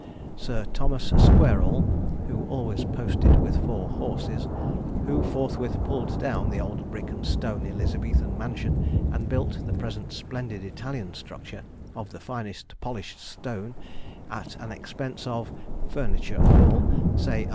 Sir Thomas Squareall (who always posted with four horses), who forthwith pulled down the old brick and stone Elizabethan mansion, and built the present splendid Italian structure, of the finest polished stone, at an expense of furniture and all say 120,000_l.